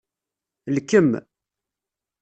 Lkem.